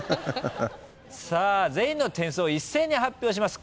さあ全員の点数を一斉に発表します